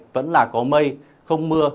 vẫn là có mây không mưa